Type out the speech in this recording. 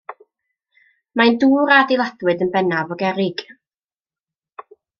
Mae'n dŵr a adeiladwyd yn bennaf o gerrig.